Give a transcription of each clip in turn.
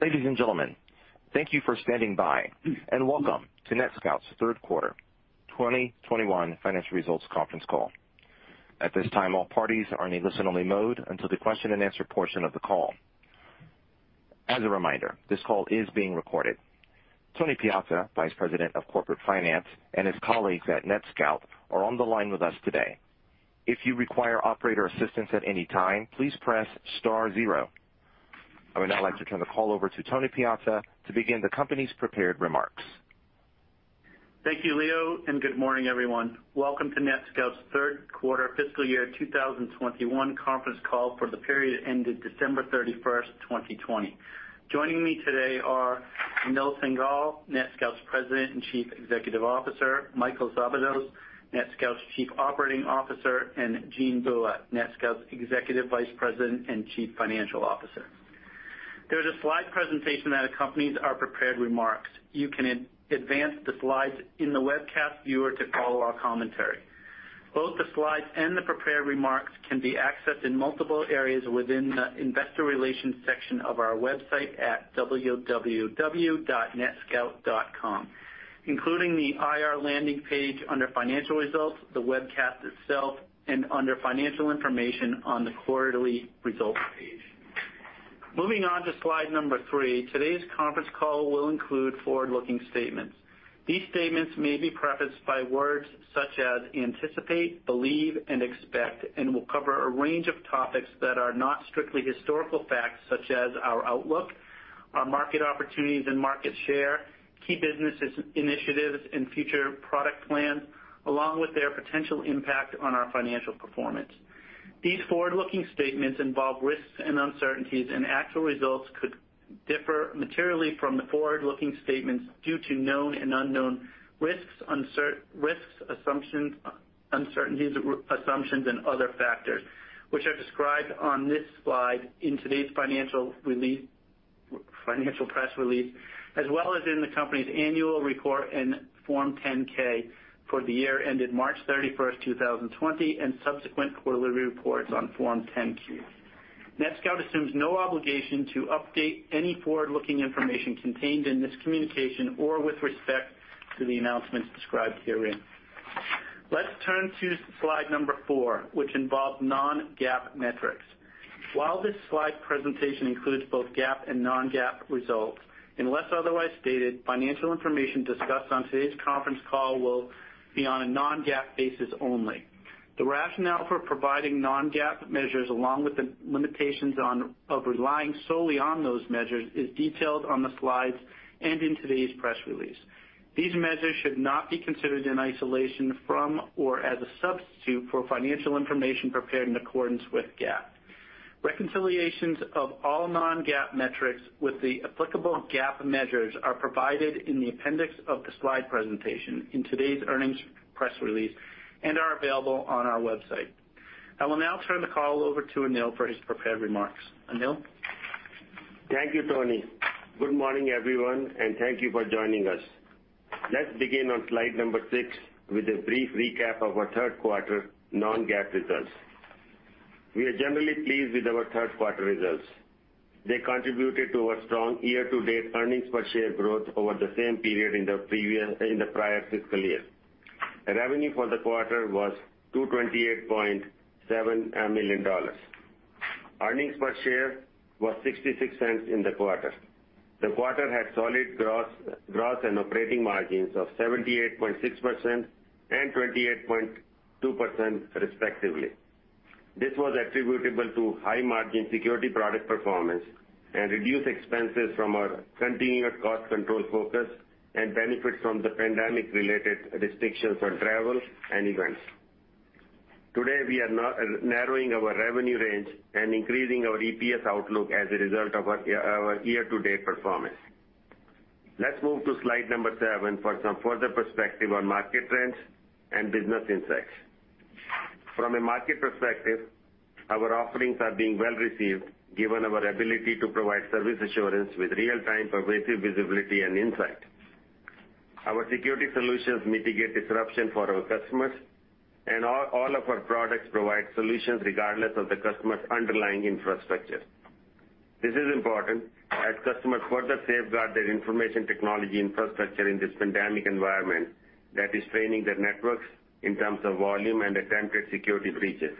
Ladies and gentlemen, thank you for standing by, and welcome to NetScout's third quarter 2021 financial results conference call. At this time, all parties are in listen only mode until the question and answer portion of the call. As a reminder, this call is being recorded. Tony Piazza, Vice President of Corporate Finance, and his colleagues at NetScout are on the line with us today. If you require operator assistance at any time, please press star zero. I would now like to turn the call over to Tony Piazza to begin the company's prepared remarks. Thank you, Leo, and good morning, everyone. Welcome to NetScout's third quarter fiscal year 2021 conference call for the period that ended December 31st, 2020. Joining me today are Anil Singhal, NetScout's President and Chief Executive Officer, Michael Szabados, NetScout's Chief Operating Officer, and Jean Bua, NetScout's Executive Vice President and Chief Financial Officer. There's a slide presentation that accompanies our prepared remarks. You can advance the slides in the webcast viewer to follow our commentary. Both the slides and the prepared remarks can be accessed in multiple areas within the investor relations section of our website at www.netscout.com, including the IR landing page under financial results, the webcast itself, and under financial information on the quarterly results page. Moving on to slide number three, today's conference call will include forward-looking statements. These statements may be prefaced by words such as anticipate, believe, and expect, and will cover a range of topics that are not strictly historical facts, such as our outlook, our market opportunities and market share, key business initiatives and future product plans, along with their potential impact on our financial performance. These forward-looking statements involve risks and uncertainties, and actual results could differ materially from the forward-looking statements due to known and unknown risks, uncertainties, assumptions, and other factors which are described on this slide in today's financial press release as well as in the company's annual report and Form 10-K for the year ended March 31st, 2020, and subsequent quarterly reports on Form 10-Q. NetScout assumes no obligation to update any forward-looking information contained in this communication or with respect to the announcements described herein. Let's turn to slide number four, which involves non-GAAP metrics. While this slide presentation includes both GAAP and non-GAAP results, unless otherwise stated, financial information discussed on today's conference call will be on a non-GAAP basis only. The rationale for providing non-GAAP measures, along with the limitations of relying solely on those measures, is detailed on the slides and in today's press release. These measures should not be considered in isolation from or as a substitute for financial information prepared in accordance with GAAP. Reconciliations of all non-GAAP metrics with the applicable GAAP measures are provided in the appendix of the slide presentation in today's earnings press release and are available on our website. I will now turn the call over to Anil for his prepared remarks. Anil? Thank you, Tony. Good morning, everyone. Thank you for joining us. Let's begin on slide number six with a brief recap of our third quarter non-GAAP results. We are generally pleased with our third quarter results. They contributed to our strong year-to-date earnings per share growth over the same period in the prior fiscal year. Revenue for the quarter was $228.7 million. Earnings per share was $0.66 in the quarter. The quarter had solid gross and operating margins of 78.6% and 28.2%, respectively. This was attributable to high-margin security product performance and reduced expenses from our continued cost control focus and benefits from the pandemic-related restrictions on travel and events. Today, we are narrowing our revenue range and increasing our EPS outlook as a result of our year-to-date performance. Let's move to slide number seven for some further perspective on market trends and business insights. From a market perspective, our offerings are being well-received given our ability to provide service assurance with real-time pervasive visibility and insight. Our security solutions mitigate disruption for our customers, and all of our products provide solutions regardless of the customer's underlying infrastructure. This is important as customers further safeguard their information technology infrastructure in this pandemic environment that is straining their networks in terms of volume and attempted security breaches.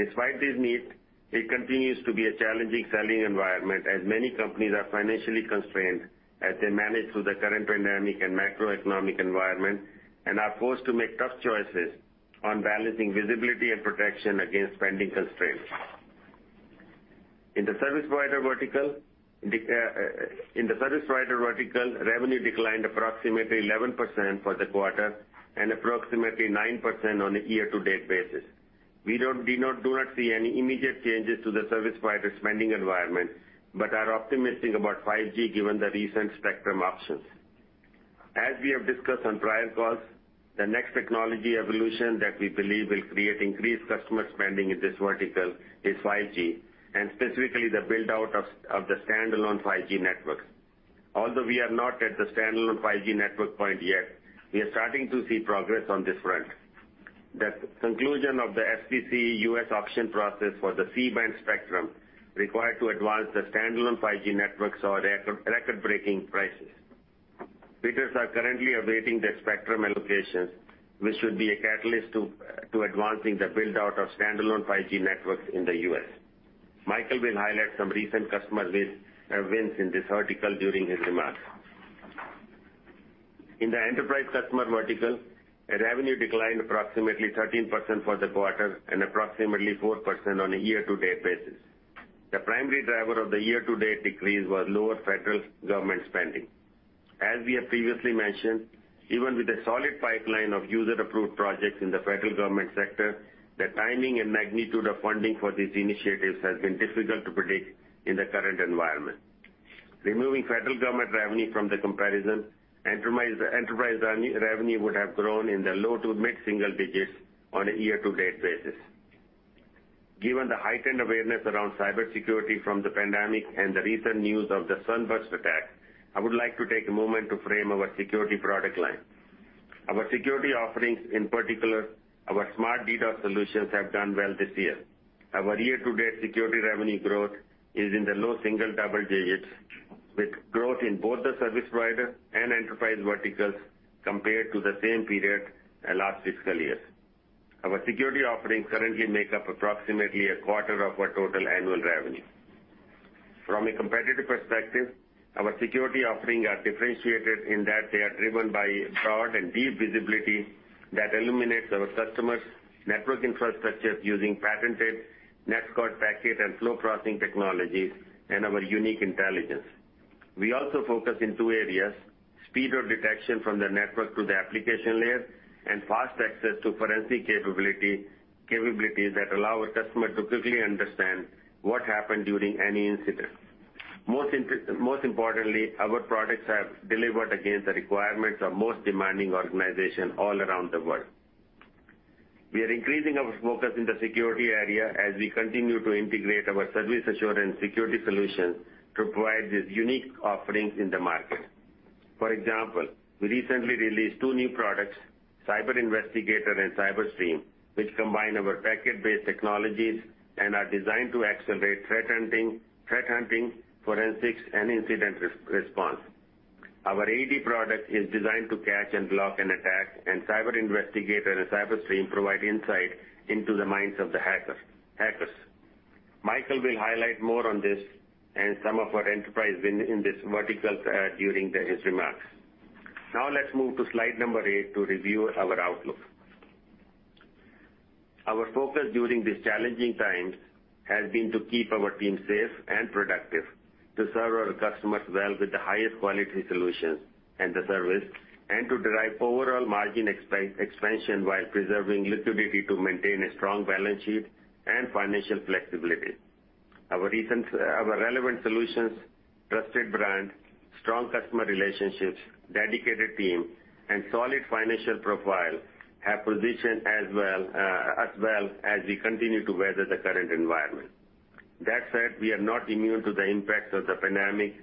Despite this need, it continues to be a challenging selling environment as many companies are financially constrained as they manage through the current pandemic and macroeconomic environment and are forced to make tough choices on balancing visibility and protection against spending constraints. In the service provider vertical, revenue declined approximately 11% for the quarter and approximately 9% on a year-to-date basis. We do not see any immediate changes to the service provider spending environment, but are optimistic about 5G given the recent spectrum auctions. As we have discussed on prior calls, the next technology evolution that we believe will create increased customer spending in this vertical is 5G, and specifically the build-out of the standalone 5G networks. Although we are not at the standalone 5G network point yet, we are starting to see progress on this front. The conclusion of the FCC U.S. auction process for the C-band spectrum required to advance the standalone 5G networks saw record-breaking prices. Bidders are currently awaiting their spectrum allocations, which should be a catalyst to advancing the build-out of standalone 5G networks in the U.S. Michael will highlight some recent customer wins in this vertical during his remarks. In the enterprise customer vertical, our revenue declined approximately 13% for the quarter and approximately 4% on a year-to-date basis. The primary driver of the year-to-date decrease was lower federal government spending. As we have previously mentioned, even with a solid pipeline of user-approved projects in the federal government sector, the timing and magnitude of funding for these initiatives has been difficult to predict in the current environment. Removing federal government revenue from the comparison, enterprise revenue would have grown in the low to mid-single digits on a year-to-date basis. Given the heightened awareness around cybersecurity from the pandemic and the recent news of the SUNBURST attack, I would like to take a moment to frame our security product line. Our security offerings, in particular, our Smart DDoS solutions, have done well this year. Our year-to-date security revenue growth is in the low double digits, with growth in both the service provider and enterprise verticals compared to the same period last fiscal year. Our security offerings currently make up approximately a quarter of our total annual revenue. From a competitive perspective, our security offerings are differentiated in that they are driven by broad and deep visibility that illuminates our customers' network infrastructures using patented NetScout packet and flow processing technologies and our unique intelligence. We also focus in two areas, speed of detection from the network to the application layer and fast access to forensic capabilities that allow our customer to quickly understand what happened during any incident. Most importantly, our products have delivered against the requirements of the most demanding organizations all around the world. We are increasing our focus in the security area as we continue to integrate our service assurance security solutions to provide these unique offerings in the market. For example, we recently released two new products, CyberInvestigator and CyberStream, which combine our packet-based technologies and are designed to accelerate threat hunting, forensics, and incident response. Our AED product is designed to catch and block an attack, and CyberInvestigator and CyberStream provide insight into the minds of the hackers. Michael will highlight more on this and some of our enterprise wins in this vertical during his remarks. Let's move to slide number eight to review our outlook. Our focus during these challenging times has been to keep our team safe and productive, to serve our customers well with the highest quality solutions and service, and to derive overall margin expansion while preserving liquidity to maintain a strong balance sheet and financial flexibility. Our relevant solutions, trusted brand, strong customer relationships, dedicated team, and solid financial profile have positioned us well as we continue to weather the current environment. That said, we are not immune to the impacts of the pandemic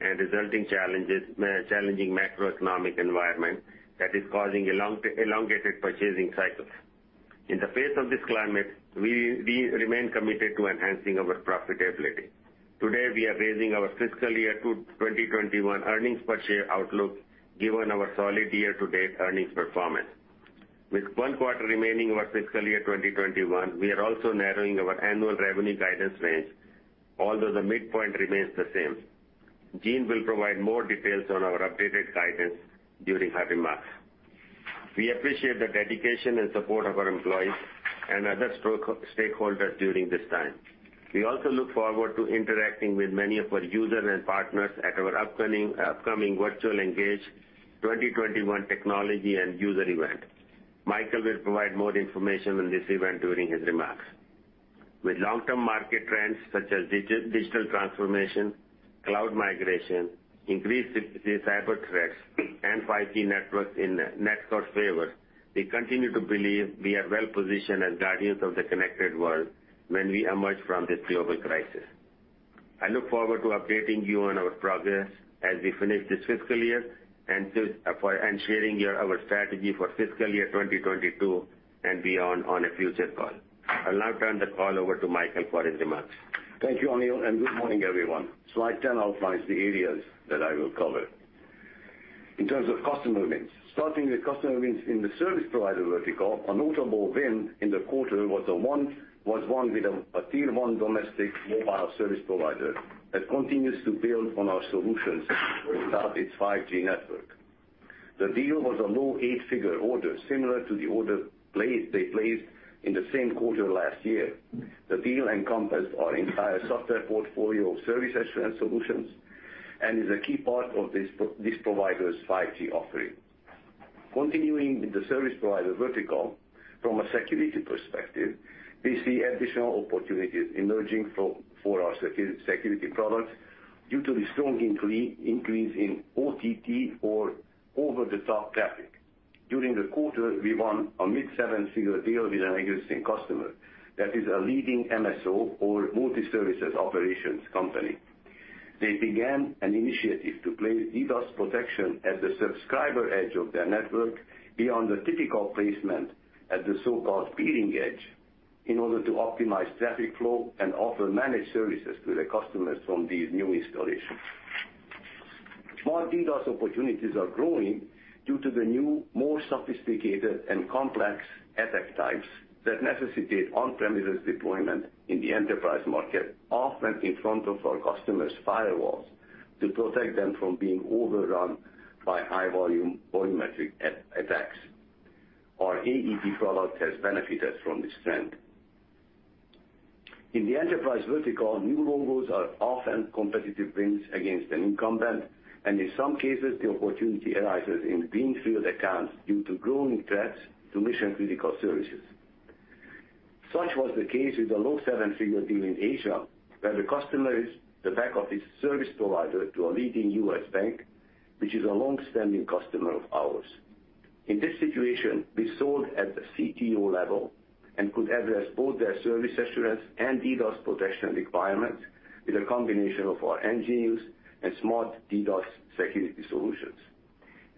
and resulting challenging macroeconomic environment that is causing elongated purchasing cycles. In the face of this climate, we remain committed to enhancing our profitability. Today, we are raising our fiscal year 2021 earnings per share outlook given our solid year-to-date earnings performance. With one quarter remaining of our fiscal year 2021, we are also narrowing our annual revenue guidance range, although the midpoint remains the same. Jean will provide more details on our updated guidance during his remarks. We appreciate the dedication and support of our employees and other stakeholders during this time. We also look forward to interacting with many of our users and partners at our upcoming virtual ENGAGE 2021 technology and user event. Michael will provide more information on this event during his remarks. With long-term market trends such as digital transformation, cloud migration, increased cyber threats, and 5G networks in NetScout's favor, we continue to believe we are well-positioned as guardians of the connected world when we emerge from this global crisis. I look forward to updating you on our progress as we finish this fiscal year and sharing our strategy for fiscal year 2022 and beyond on a future call. I'll now turn the call over to Michael for his remarks. Thank you, Anil. Good morning, everyone. Slide 10 outlines the areas that I will cover. Starting with customer wins in the service provider vertical, a notable win in the quarter was one with a Tier 1 domestic mobile service provider that continues to build on our solutions to start its 5G network. The deal was a low eight-figure order, similar to the order they placed in the same quarter last year. The deal encompassed our entire software portfolio of service assurance solutions and is a key part of this provider's 5G offering. Continuing with the service provider vertical, from a security perspective, we see additional opportunities emerging for our security products due to the strong increase in OTT, or over-the-top traffic. During the quarter, we won a mid-$7-figure deal with an existing customer that is a leading MSO, or multi-services operations company. They began an initiative to place DDoS protection at the subscriber edge of their network beyond the typical placement at the so-called peering edge in order to optimize traffic flow and offer managed services to their customers from these new installations. smart DDoS opportunities are growing due to the new, more sophisticated and complex attack types that necessitate on-premises deployment in the enterprise market, often in front of our customers' firewalls, to protect them from being overrun by high-volume volumetric attacks. Our AED product has benefited from this trend. In the enterprise vertical, new logos are often competitive wins against an incumbent, and in some cases, the opportunity arises in greenfield accounts due to growing threats to mission-critical services. Such was the case with a $ low seven-figure deal in Asia, where the customer is the back-office service provider to a leading U.S. bank, which is a long-standing customer of ours. In this situation, we sold at the CTO level and could address both their service assurance and smart DDoS protection requirements with a combination of our nGeniusONE and smart DDoS security solutions.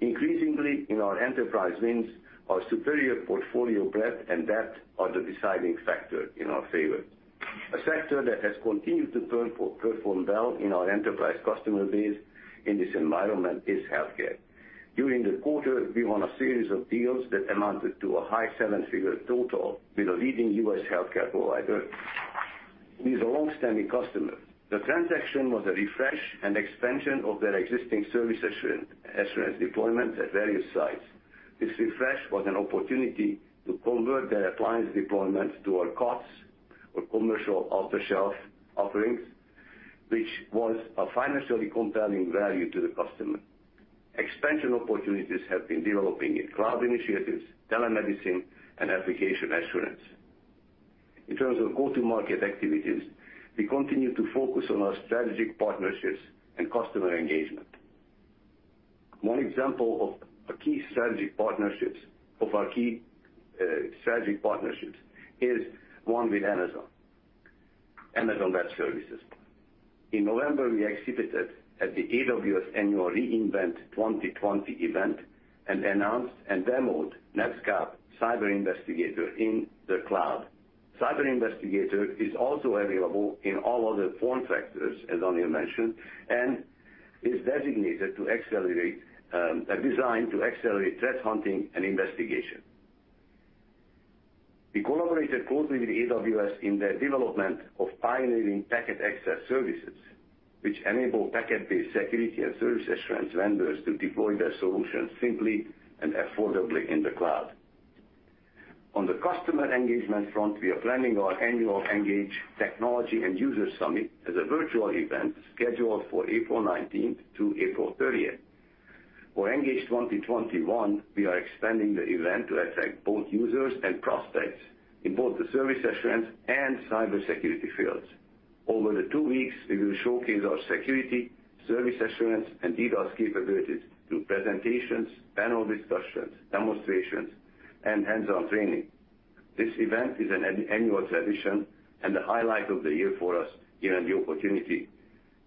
Increasingly in our enterprise wins, our superior portfolio breadth and depth are the deciding factor in our favor. A sector that has continued to perform well in our enterprise customer base in this environment is healthcare. During the quarter, we won a series of deals that amounted to a $ high seven-figure total with a leading U.S. healthcare provider who is a long-standing customer. The transaction was a refresh and expansion of their existing service assurance deployments at various sites. This refresh was an opportunity to convert their appliance deployments to our COTS, or commercial off-the-shelf offerings, which was a financially compelling value to the customer. Expansion opportunities have been developing in cloud initiatives, telemedicine, and application assurance. In terms of go-to-market activities, we continue to focus on our strategic partnerships and customer engagement. One example of our key strategic partnerships is one with Amazon Web Services. In November, we exhibited at the AWS annual re:Invent 2020 event and announced and demoed NETSCOUT Cyber Investigator in the cloud. Cyber Investigator is also available in all other form factors, as Anil Singhal mentioned, and is designed to accelerate threat hunting and investigation. We collaborated closely with AWS in the development of pioneering packet access services, which enable packet-based security and service assurance vendors to deploy their solutions simply and affordably in the cloud. On the customer engagement front, we are planning our annual ENGAGE Technology and User Summit as a virtual event scheduled for April 19th-April 30th. For ENGAGE 2021, we are expanding the event to attract both users and prospects in both the service assurance and cybersecurity fields. Over the two weeks, we will showcase our security, service assurance, and DDoS capabilities through presentations, panel discussions, demonstrations, and hands-on training. This event is an annual tradition and the highlight of the year for us,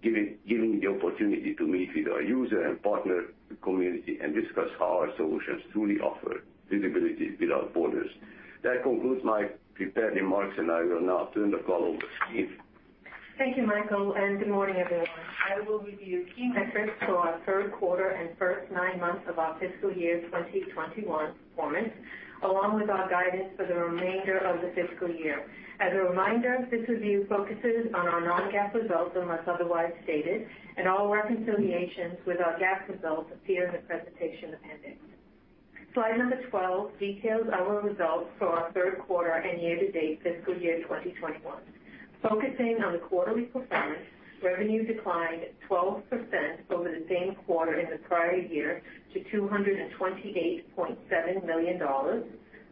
giving the opportunity to meet with our user and partner community and discuss how our solutions truly offer visibility without borders. That concludes my prepared remarks, and I will now turn the call over to Jean. Thank you, Michael, and good morning, everyone. I will review key metrics for our third quarter and first nine months of our FY 2021 performance, along with our guidance for the remainder of the fiscal year. As a reminder, this review focuses on our non-GAAP results unless otherwise stated, and all reconciliations with our GAAP results appear in the presentation appendix. Slide number 12 details our results for our third quarter and year-to-date FY 2021. Focusing on quarterly performance, revenue declined 12% over the same quarter in the prior year to $228.7 million.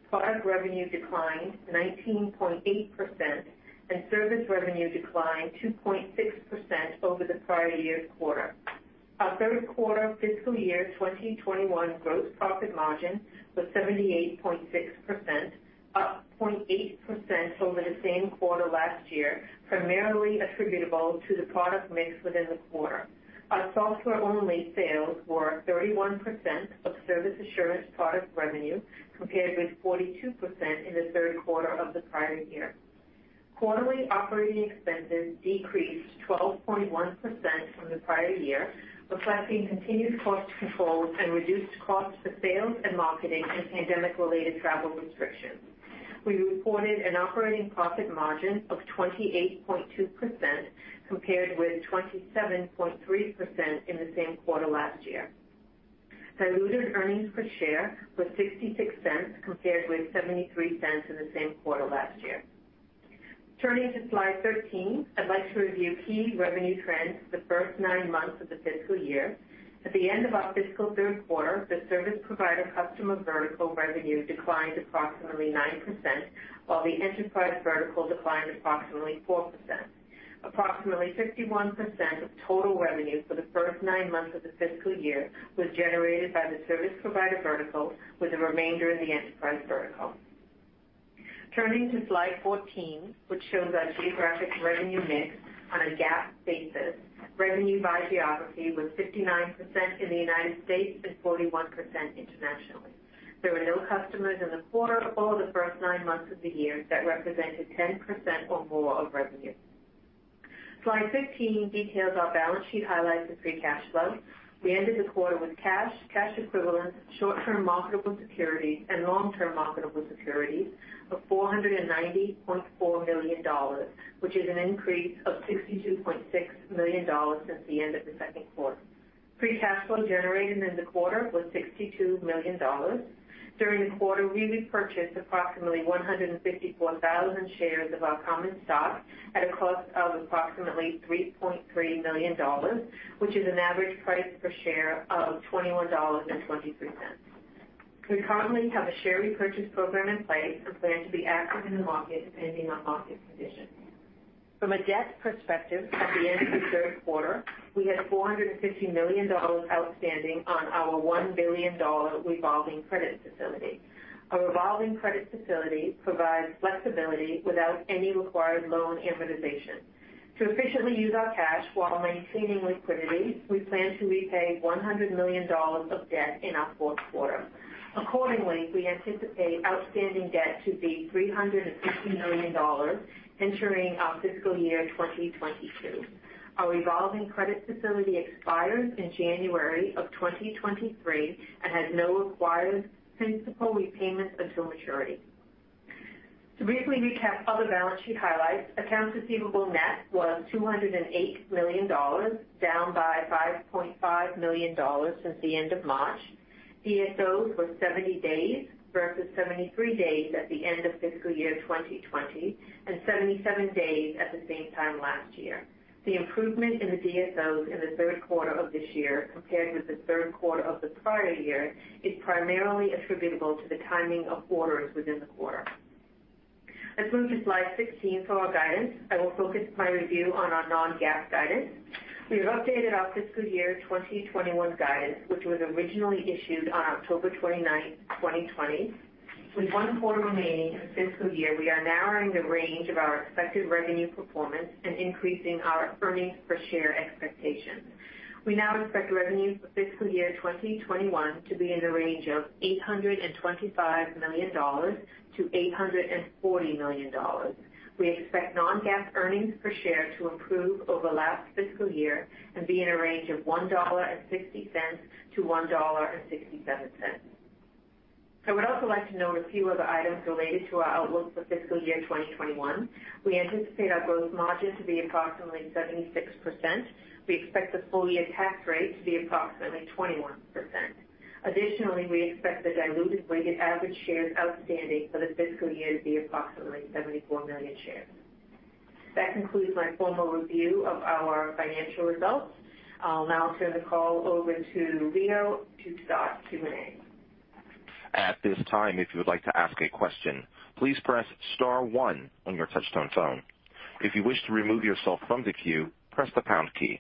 Product revenue declined 19.8%, service revenue declined 2.6% over the prior year's quarter. Our third quarter FY 2021 gross profit margin was 78.6%, up 0.8% over the same quarter last year, primarily attributable to the product mix within the quarter. Our software-only sales were 31% of service assurance product revenue, compared with 42% in the third quarter of the prior year. Quarterly operating expenses decreased 12.1% from the prior year, reflecting continued cost controls and reduced costs for sales and marketing and pandemic-related travel restrictions. We reported an operating profit margin of 28.2%, compared with 27.3% in the same quarter last year. Diluted earnings per share were $0.66, compared with $0.73 in the same quarter last year. Turning to slide 13, I'd like to review key revenue trends for the first nine months of the fiscal year. At the end of our fiscal third quarter, the service provider customer vertical revenue declined approximately 9%, while the enterprise vertical declined approximately 4%. Approximately 51% of total revenue for the first nine months of the fiscal year was generated by the service provider vertical, with the remainder in the enterprise vertical. Turning to slide 14, which shows our geographic revenue mix on a GAAP basis. Revenue by geography was 59% in the United States and 41% internationally. There were no customers in the quarter or the first nine months of the year that represented 10% or more of revenue. Slide 15 details our balance sheet highlights and free cash flow. We ended the quarter with cash equivalents, short-term marketable securities, and long-term marketable securities of $490.4 million, which is an increase of $62.6 million since the end of the second quarter. Free cash flow generated in the quarter was $62 million. During the quarter, we repurchased approximately 154,000 shares of our common stock at a cost of approximately $3.3 million, which is an average price per share of $21.23. We currently have a share repurchase program in place and plan to be active in the market depending on market conditions. From a debt perspective, at the end of the third quarter, we had $450 million outstanding on our $1 billion revolving credit facility. Our revolving credit facility provides flexibility without any required loan amortization. To efficiently use our cash while maintaining liquidity, we plan to repay $100 million of debt in our fourth quarter. Accordingly, we anticipate outstanding debt to be $350 million entering our fiscal year 2022. Our revolving credit facility expires in January of 2023 and has no required principal repayments until maturity. To briefly recap other balance sheet highlights, accounts receivable net was $208 million, down by $5.5 million since the end of March. DSOs were 70 days versus 73 days at the end of fiscal year 2020, and 77 days at the same time last year. The improvement in the DSOs in the third quarter of this year compared with the third quarter of the prior year is primarily attributable to the timing of orders within the quarter. Let's move to slide 16 for our guidance. I will focus my review on our non-GAAP guidance. We have updated our fiscal year 2021 guidance, which was originally issued on October 29, 2020. With one quarter remaining in the fiscal year, we are narrowing the range of our expected revenue performance and increasing our earnings per share expectations. We now expect revenues for fiscal year 2021 to be in the range of $825 million-$840 million. We expect non-GAAP earnings per share to improve over last fiscal year and be in a range of $1.60-$1.67. I would also like to note a few other items related to our outlook for fiscal year 2021. We anticipate our gross margin to be approximately 76%. We expect the full-year tax rate to be approximately 21%. Additionally, we expect the diluted weighted average shares outstanding for the fiscal year to be approximately 74 million shares. That concludes my formal review of our financial results. I'll now turn the call over to Leo to start Q&A. At this time, if you would like to ask a question, please press star one on your touch-tone phone. If you wish to remove yourself from the queue, press the pound key.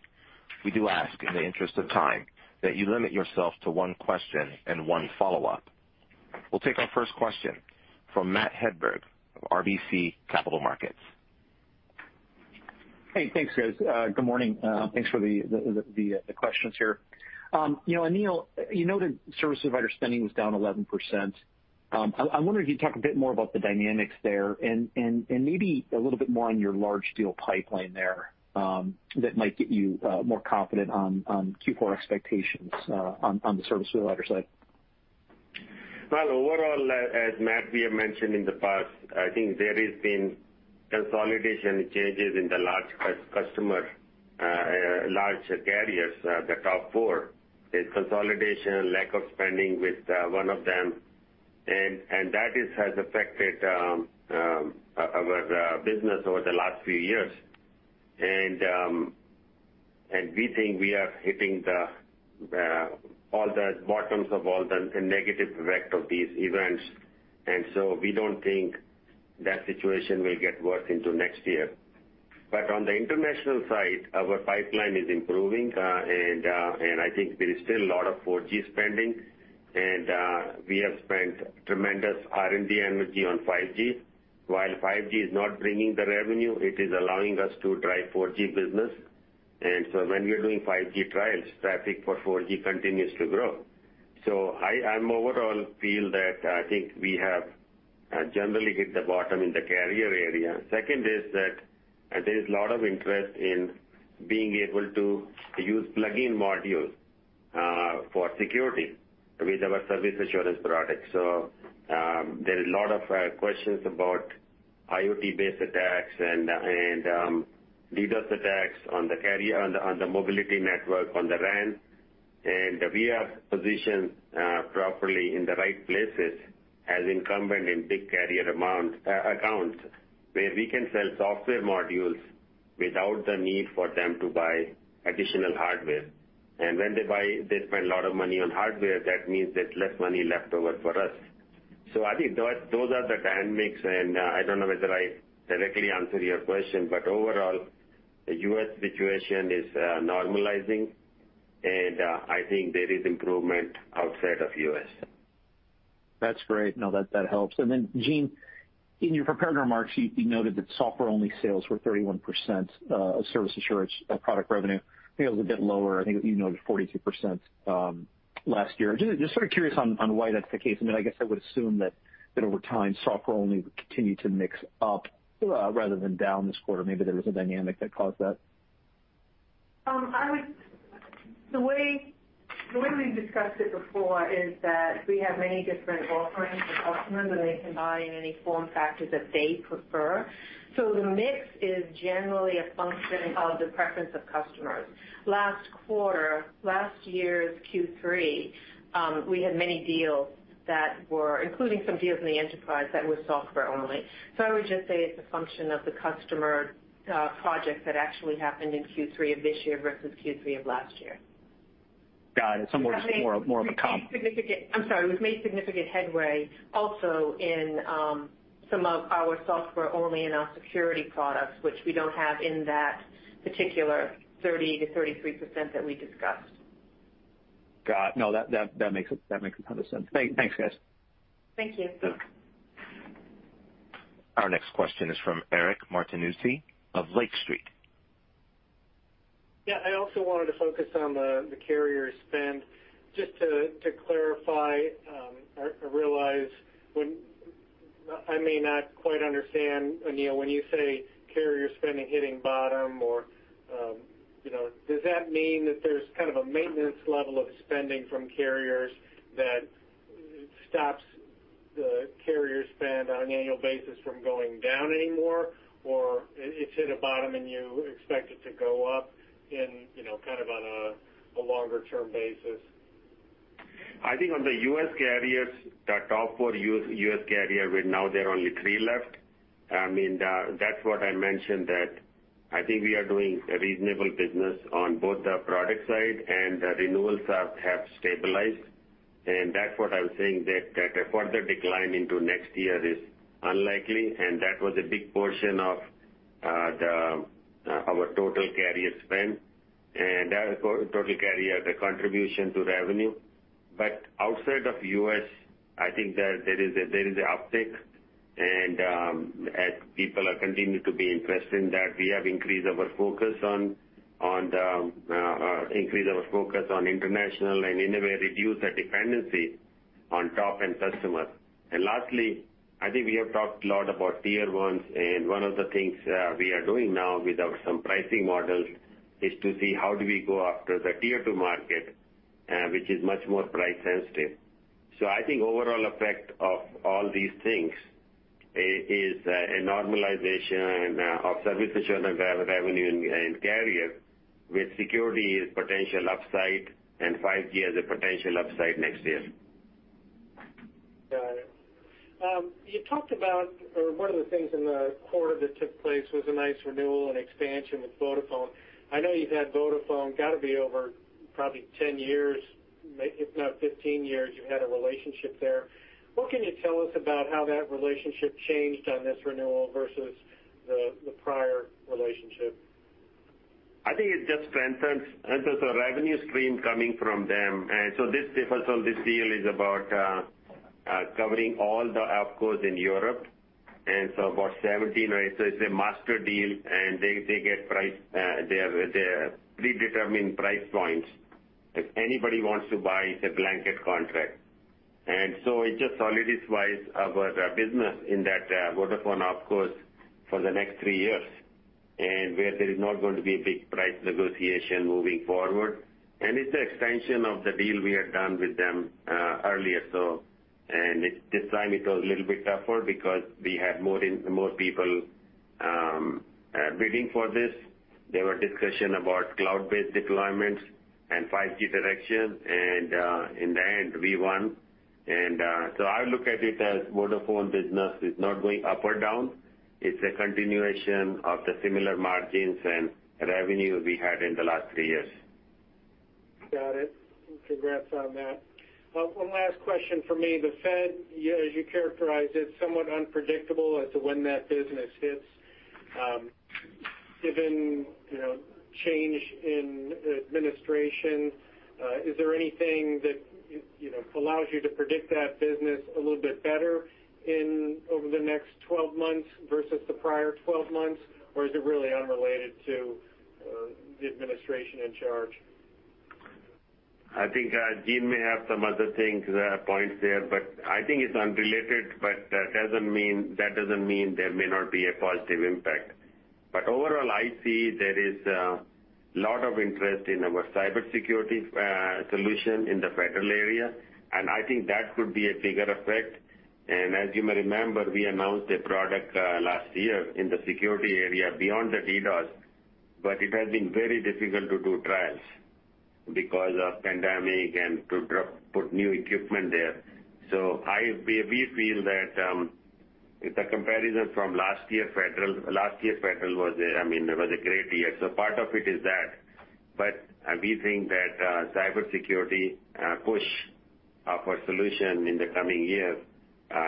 We do ask in the interest of time, that you limit yourself to one question and one follow-up. We'll take our first question from Matt Hedberg of RBC Capital Markets. Hey, thanks, guys. Good morning. Thanks for the questions here. Anil, you noted service provider spending was down 11%. I wonder if you'd talk a bit more about the dynamics there and maybe a little bit more on your large deal pipeline there that might get you more confident on Q4 expectations on the service provider side. Well, overall, as Matt, we have mentioned in the past, I think there has been consolidation changes in the large customer, large carriers, the top four. There's consolidation, lack of spending with one of them. That has affected our business over the last few years. We think we are hitting all the bottoms of all the negative effect of these events. We don't think that situation will get worse into next year. On the international side, our pipeline is improving. I think there is still a lot of 4G spending. We have spent tremendous R&D energy on 5G. While 5G is not bringing the revenue, it is allowing us to drive 4G business. When we are doing 5G trials, traffic for 4G continues to grow. I overall feel that I think we have generally hit the bottom in the carrier area. Second is that there is a lot of interest in being able to use plug-in modules for security with our service assurance products. There is a lot of questions about IoT-based attacks and DDoS attacks on the carrier, on the mobility network, on the RAN. We are positioned properly in the right places as incumbent in big carrier accounts, where we can sell software modules without the need for them to buy additional hardware. When they buy, they spend a lot of money on hardware, that means there's less money left over for us. I think those are the dynamics, and I don't know whether I directly answered your question, but overall, the U.S. situation is normalizing. I think there is improvement outside of U.S. That's great. No, that helps. Jean, in your prepared remarks, you noted that software-only sales were 31% of service assurance of product revenue. I think it was a bit lower. I think you noted 42% last year. Just sort of curious on why that's the case. I guess I would assume that over time, software only would continue to mix up rather than down this quarter. Maybe there was a dynamic that caused that. The way we've discussed it before is that we have many different offerings for customers, and they can buy in any form factor that they prefer. The mix is generally a function of the preference of customers. Last quarter, last year's Q3, we had many deals, including some deals in the enterprise, that were software only. I would just say it's a function of the customer projects that actually happened in Q3 of this year versus Q3 of last year. Got it. More of a comp. I'm sorry. We've made significant headway also in some of our software only in our security products, which we don't have in that particular 30%-33% that we discussed. Got it. That makes a ton of sense. Thanks, guys. Thank you. Yeah. Our next question is from Eric Martinuzzi of Lake Street. Yeah. I also wanted to focus on the carrier spend. Just to clarify, I realize when I may not quite understand, Anil, when you say carrier spending hitting bottom, does that mean that there's kind of a maintenance level of spending from carriers that stops the carrier spend on an annual basis from going down anymore? Or it's hit a bottom, and you expect it to go up on a longer-term basis? I think on the U.S. carriers, the top four U.S. carrier, now there are only three left. That's what I mentioned, that I think we are doing a reasonable business on both the product side and the renewals have stabilized. That's what I was saying, that a further decline into next year is unlikely, and that was a big portion of our total carrier spend, and total carrier contribution to revenue. Outside of U.S., I think there is a uptick, and as people continue to be interested in that, we have increased our focus on international and in a way, reduced the dependency on top-end customers. Lastly, I think we have talked a lot about Tier 1s, and one of the things we are doing now with some pricing models is to see how do we go after the Tier 2 market, which is much more price sensitive. I think overall effect of all these things is a normalization of service assurance revenue and carriers, with security as potential upside and 5G as a potential upside next year. Got it. You talked about, or one of the things in the quarter that took place was a nice renewal and expansion with Vodafone. I know you've had Vodafone, got to be over probably 10 years, if not 15 years, you've had a relationship there. What can you tell us about how that relationship changed on this renewal versus the prior relationship? I think it just strengthens the revenue stream coming from them. First of all, this deal is about covering all the OpCos in Europe, about 17. It's a master deal, and they get their predetermined price points. If anybody wants to buy, it's a blanket contract. It just solidifies our business in that Vodafone OpCos for the next three years, where there is not going to be a big price negotiation moving forward. It's the extension of the deal we had done with them earlier. This time it was a little bit tougher because we had more people bidding for this. There were discussion about cloud-based deployments and 5G direction, in the end, we won. I look at it as Vodafone business is not going up or down. It's a continuation of the similar margins and revenue we had in the last three years. Got it. Congrats on that. One last question from me. The Fed, as you characterized it, somewhat unpredictable as to when that business hits. Given change in administration, is there anything that allows you to predict that business a little bit better over the next 12 months versus the prior 12 months? Is it really unrelated to the administration in charge? I think Jean may have some other things, points there, but I think it's unrelated, but that doesn't mean there may not be a positive impact. Overall, I see there is a lot of interest in our cybersecurity solution in the federal area, and I think that could be a bigger effect. As you may remember, we announced a product last year in the security area beyond the DDoS, but it has been very difficult to do trials because of pandemic and to put new equipment there. We feel that the comparison from last year federal was a great year. Part of it is that. We think that cybersecurity push of our solution in the coming year,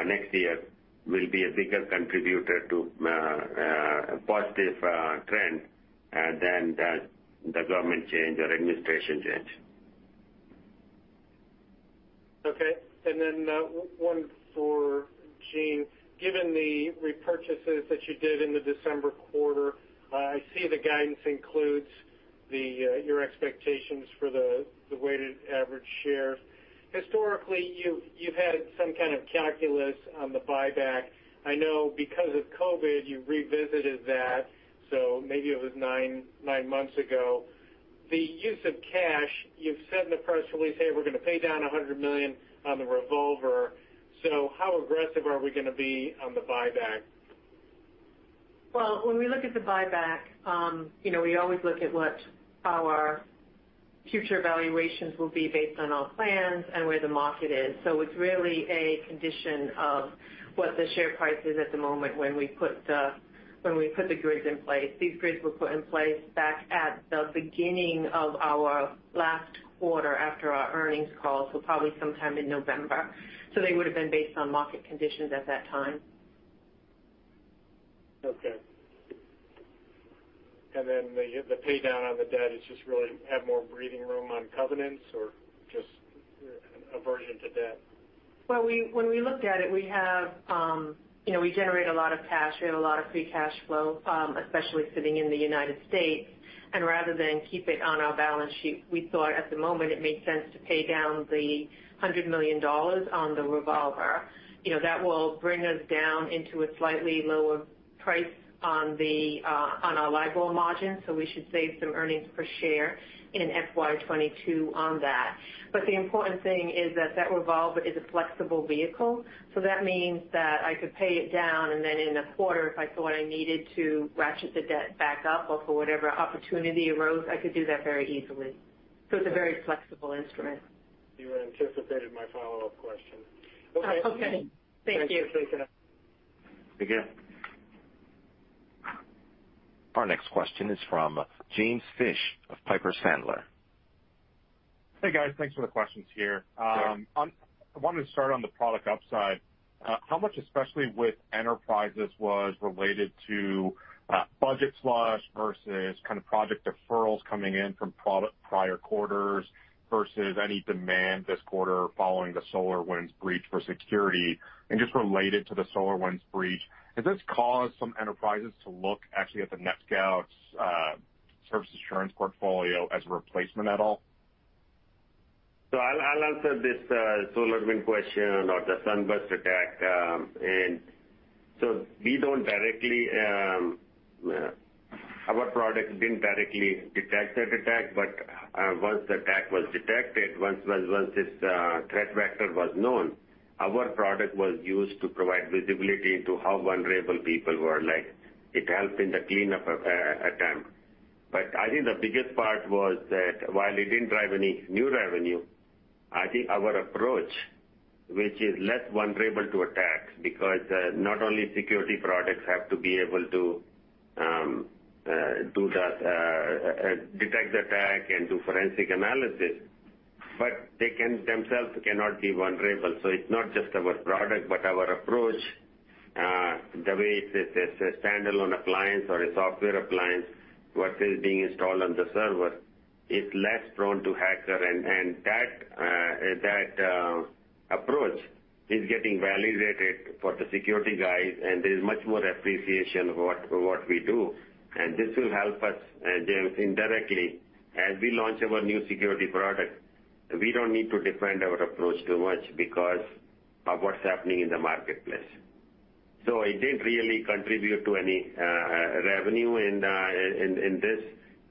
next year will be a bigger contributor to a positive trend than does the government change or administration change. Okay. One for Jean. Given the repurchases that you did in the December quarter, I see the guidance includes your expectations for the weighted average share. Historically, you've had some kind of calculus on the buyback. I know because of COVID, you revisited that, so maybe it was nine months ago. The use of cash, you've said in the press release, "Hey, we're going to pay down $100 million on the revolver." How aggressive are we going to be on the buyback? Well, when we look at the buyback, we always look at what our future valuations will be based on our plans and where the market is. It's really a condition of what the share price is at the moment when we put the grids in place. These grids were put in place back at the beginning of our last quarter after our earnings call, so probably sometime in November. They would've been based on market conditions at that time. Okay. The pay down on the debt is just really to have more breathing room on covenants or just aversion to debt? Well, when we looked at it, we generate a lot of cash. We have a lot of free cash flow, especially sitting in the United States. Rather than keep it on our balance sheet, we thought at the moment it made sense to pay down the $100 million on the revolver. That will bring us down into a slightly lower price on our LIBOR margin. We should save some earnings per share in FY 2022 on that. The important thing is that that revolver is a flexible vehicle. That means that I could pay it down and then in a quarter, if I thought I needed to ratchet the debt back up or for whatever opportunity arose, I could do that very easily. It's a very flexible instrument. You anticipated my follow-up question. Okay. Thank you. Thank you. Thank you. Our next question is from James Fish of Piper Sandler. Hey, guys. Thanks for the questions here. Sure. I wanted to start on the product upside. How much, especially with enterprises, was related to budget slush versus project deferrals coming in from prior quarters versus any demand this quarter following the SolarWinds breach for security? Just related to the SolarWinds breach, has this caused some enterprises to look actually at NetScout's service assurance portfolio as a replacement at all? I'll answer this SolarWinds question or the SUNBURST attack. Our product didn't directly detect that attack, but once the attack was detected, once this threat vector was known, our product was used to provide visibility into how vulnerable people were like. It helped in the cleanup attempt. I think the biggest part was that while it didn't drive any new revenue, I think our approach, which is less vulnerable to attacks, because not only security products have to be able to detect the attack and do forensic analysis, but they themselves cannot be vulnerable. It's not just our product, but our approach, the way it's a standalone appliance or a software appliance, what is being installed on the server, is less prone to hacker, and that approach is getting validated for the security guys, and there's much more appreciation for what we do. This will help us, James, indirectly, as we launch our new security product. We don't need to defend our approach too much because of what's happening in the marketplace. It didn't really contribute to any revenue in this,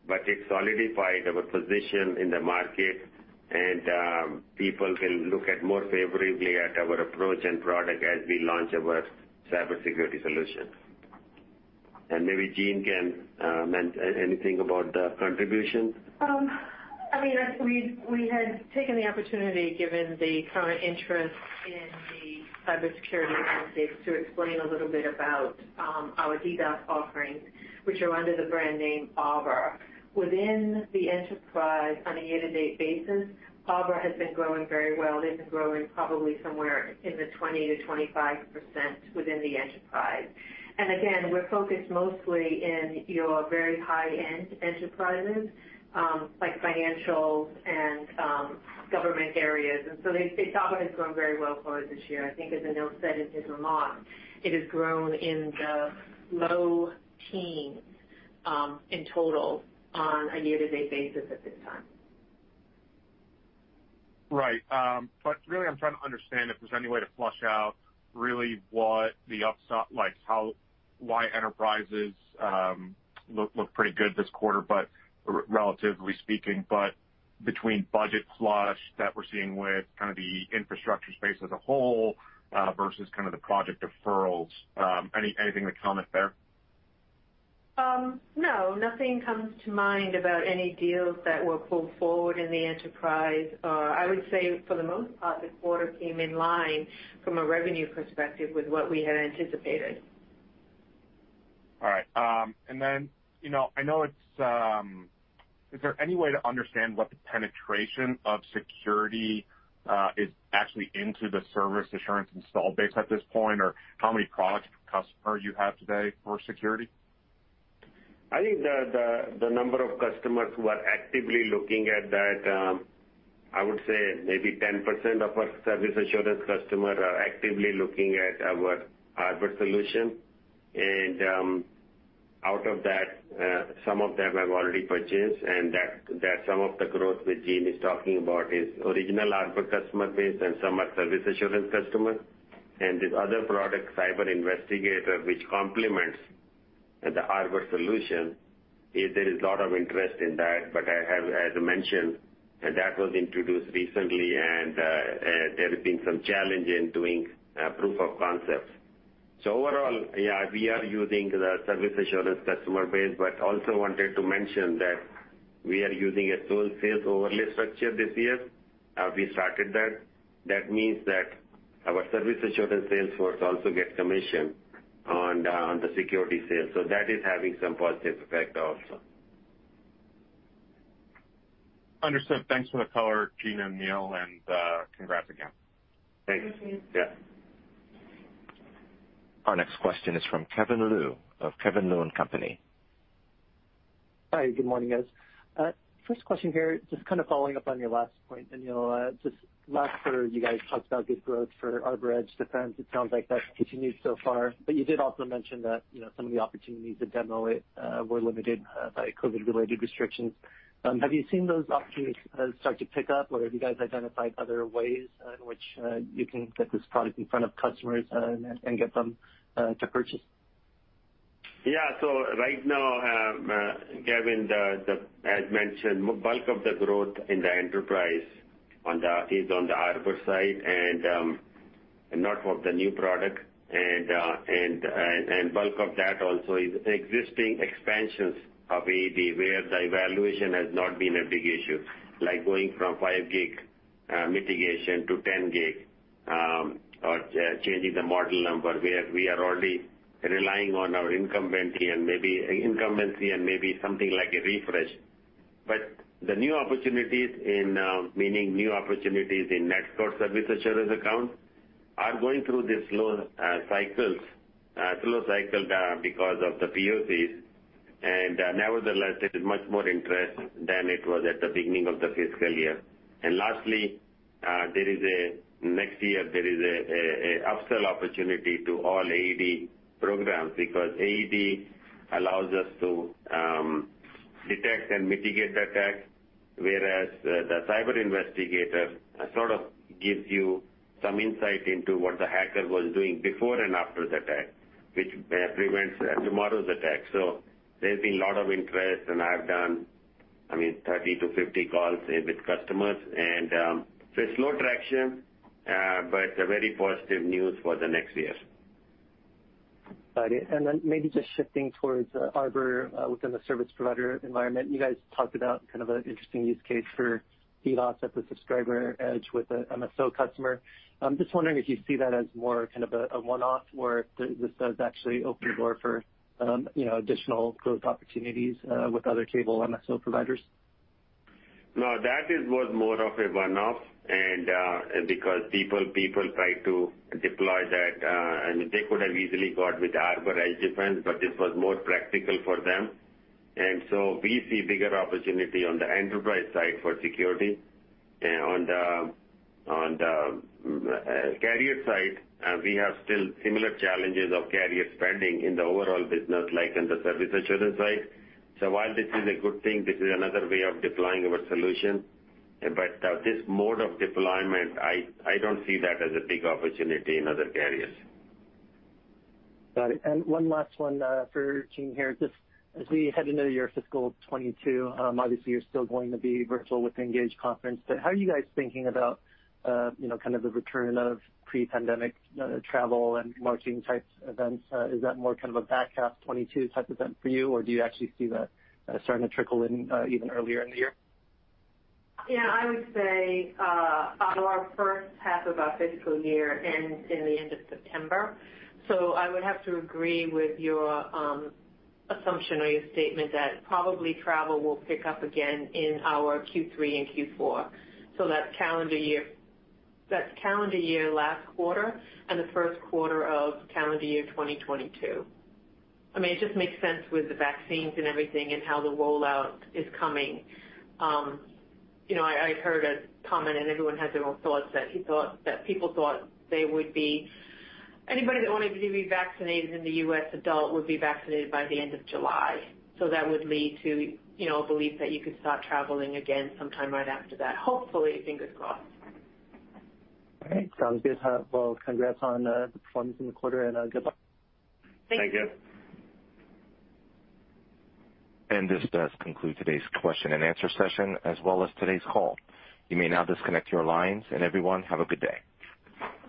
but it solidified our position in the market, and people will look more favorably at our approach and product as we launch our cybersecurity solution. Maybe Jean can mention anything about the contribution. We had taken the opportunity, given the current interest in the cybersecurity landscape, to explain a little bit about our DDoS offerings, which are under the brand name Arbor. Within the enterprise, on a year-to-date basis, Arbor has been growing very well. It's been growing probably somewhere in the 20%-25% within the enterprise. Again, we're focused mostly in your very high-end enterprises, like financials and government areas. Arbor has grown very well for us this year. I think as Anil said, it is a lot. It has grown in the low teens in total on a year-to-date basis at this time. Right. Really, I'm trying to understand if there's any way to flush out really why enterprises look pretty good this quarter, relatively speaking, but between budget slush that we're seeing with the infrastructure space as a whole versus the project deferrals. Anything to comment there? No, nothing comes to mind about any deals that were pulled forward in the enterprise. I would say for the most part, the quarter came in line from a revenue perspective with what we had anticipated. I know, is there any way to understand what the penetration of security is actually into the Service Assurance install base at this point, or how many products per customer you have today for security? I think the number of customers who are actively looking at that, I would say maybe 10% of our Service Assurance customer are actively looking at our Arbor solution. Out of that, some of them have already purchased, and that some of the growth which Jean is talking about is original Arbor customer base, and some are Service Assurance customer. This other product, CyberInvestigator, which complements the Arbor solution, there is a lot of interest in that. As mentioned, that was introduced recently, and there have been some challenge in doing proof of concepts. Overall, we are using the Service Assurance customer base, but also wanted to mention that we are using a dual sales overlay structure this year. We started that. That means that our Service Assurance sales force also get commission on the security sales. That is having some positive effect also. Understood. Thanks for the color, Jean and Anil, and congrats again. Thanks. Thanks, Anil. Yeah. Our next question is from Kevin Liu of K. Liu & Company. Hi, good morning, guys. First question here, just following up on your last point, Anil. Just last quarter, you guys talked about good growth for Arbor Edge Defense. It sounds like that's continued so far, but you did also mention that some of the opportunities to demo it were limited by COVID-related restrictions. Have you seen those opportunities start to pick up, or have you guys identified other ways in which you can get this product in front of customers and get them to purchase? Yeah. Right now, Kevin, as mentioned, bulk of the growth in the enterprise is on the Arbor side, and not of the new product. Bulk of that also is existing expansions of AED, where the evaluation has not been a big issue, like going from 5 gig mitigation to 10 gig, or changing the model number, where we are already relying on our incumbency and maybe something like a refresh. The new opportunities, meaning new opportunities in NetScout Service Assurance accounts, are going through these slow cycles because of the POCs. Nevertheless, there's much more interest than it was at the beginning of the fiscal year. Lastly, next year, there is an upsell opportunity to all AED programs because AED allows us to detect and mitigate attack, whereas the Cyber Investigator sort of gives you some insight into what the hacker was doing before and after the attack, which prevents tomorrow's attack. There's been lot of interest, and I've done 30-50 calls with customers. It's slow traction, but very positive news for the next year. Got it. Maybe just shifting towards Arbor within the service provider environment. You guys talked about an interesting use case for DDoS at the subscriber edge with a MSO customer. I'm just wondering if you see that as more of a one-off, or if this does actually open the door for additional growth opportunities with other cable MSO providers. No, that was more of a one-off, and because people try to deploy that, and they could have easily got with Arbor Edge Defense, but this was more practical for them. We see bigger opportunity on the enterprise side for security. On the carrier side, we have still similar challenges of carrier spending in the overall business, like in the Service Assurance side. While this is a good thing, this is another way of deploying our solution. This mode of deployment, I don't see that as a big opportunity in other carriers. Got it. One last one for Jean here. As we head into your fiscal 2022, obviously you're still going to be virtual with ENGAGE conference, but how are you guys thinking about the return of pre-pandemic travel and marketing-type events? Is that more of a back half 2022 type event for you, or do you actually see that starting to trickle in even earlier in the year? Yeah, I would say our H1 of our fiscal year ends in the end of September, so I would have to agree with your assumption or your statement that probably travel will pick up again in our Q3 and Q4. That's calendar year last quarter and the first quarter of calendar year 2022. It just makes sense with the vaccines and everything and how the rollout is coming. I heard a comment, and everyone has their own thoughts, that people thought anybody that wanted to be vaccinated in the U.S., adult, would be vaccinated by the end of July. That would lead to a belief that you could start traveling again sometime right after that, hopefully. Fingers crossed. All right. Sounds good. Well, congrats on the performance in the quarter, and good luck. Thank you. Thank you. This does conclude today's question and answer session, as well as today's call. You may now disconnect your lines. Everyone, have a good day.